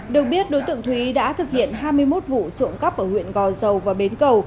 được biết đối tượng thúy đã thực hiện hai mươi một vụ trộm cắp ở huyện gò dầu và bến cầu